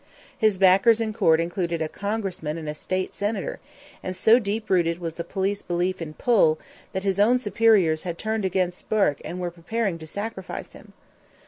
His backers in court included a Congressman and a State Senator, and so deep rooted was the police belief in "pull" that his own superiors had turned against Bourke and were preparing to sacrifice him.